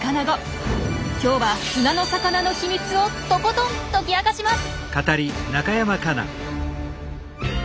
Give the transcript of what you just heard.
今日は「砂の魚」の秘密をとことん解き明かします！